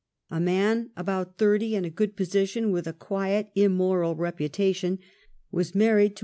A man about thirty, in a good position with a quiet immoral reputation, w^as married to a girl of 1.